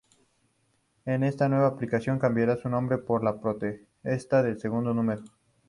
En esta nueva aparición cambiaría su nombre por "La Protesta" en su segundo número.